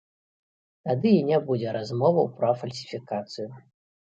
Тады і не будзе размоваў пра фальсіфікацыю.